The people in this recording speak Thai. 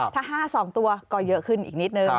ถ้า๕๒ตัวก็เยอะขึ้นอีกนิดนึง